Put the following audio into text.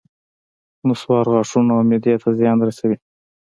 نصوار غاښونو او معدې ته زیان رسوي